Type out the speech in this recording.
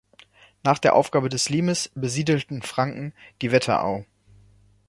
Nach der Aufgabe des Limes besiedelten Franken die Wetterau.